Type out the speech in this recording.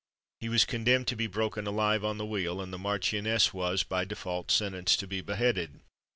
He was condemned to be broken alive on the wheel, and the marchioness was, by default, sentenced to be beheaded.